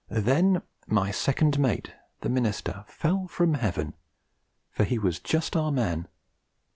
Then my second mate, the minister, fell from Heaven for he was just our man.